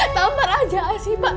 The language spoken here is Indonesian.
tampar aja asyik pak